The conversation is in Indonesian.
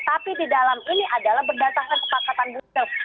tapi di dalam ini adalah berdasarkan kesepakatan butet